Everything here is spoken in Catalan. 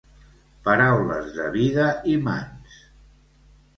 Paraules de Vida i Mans.